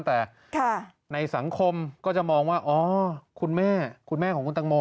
แต่ในสังคมก็จะมองว่าอ๋อคุณแม่คุณแม่ของคุณตังโม